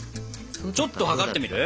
ちょっと測ってみる？